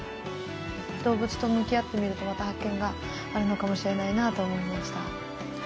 動物と向き合ってみるとまた発見があるのかもしれないなと思いました。